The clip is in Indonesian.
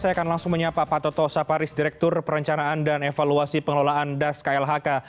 saya akan langsung menyapa pak toto saparis direktur perencanaan dan evaluasi pengelolaan das klhk